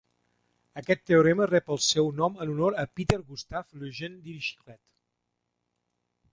Aquest teorema rep el seu nom en honor a Peter Gustav Lejeune Dirichlet.